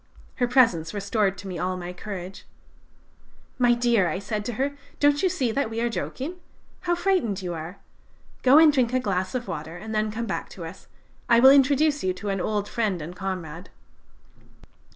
Her presence restored to me all my courage. "'My dear,' said I to her, 'don't you see that we are joking? How frightened you are! Go and drink a glass of water and then come back to us; I will introduce you to an old friend and comrade.'